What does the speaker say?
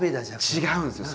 違うんですよ。